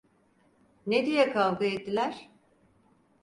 Ne diye kavga ettiler?